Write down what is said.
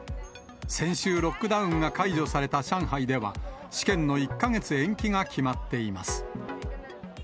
先週ロックダウンが解除された上海では、試験の１か月延期が決まっています。